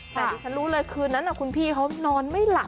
แต่ดิฉันรู้เลยคืนนั้นคุณพี่เขานอนไม่หลับ